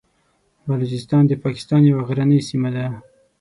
بلوچستان د پاکستان یوه غرنۍ سیمه ده.